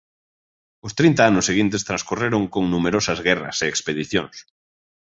Os trinta anos seguintes transcorreron con numerosas guerras e expedicións.